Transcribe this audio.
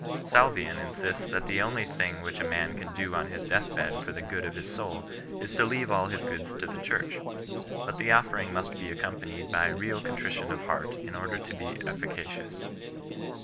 Salvian 7 insists that the only thing which a man can do on his death bed for the good of his soul is to leave all his goods to the Church ; but the offering must be ac companied by real contrition of heart in order to be efficacious.